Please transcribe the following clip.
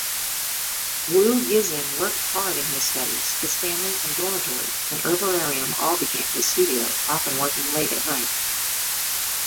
Wu Yizhen worked hard in his studies, his family and dormitory, and herbarium all became his studio, often working late at night.